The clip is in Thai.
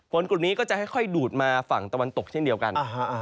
กลุ่มนี้ก็จะค่อยดูดมาฝั่งตะวันตกเช่นเดียวกัน